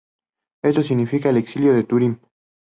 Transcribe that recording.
Esto significó el exilio de Túrin.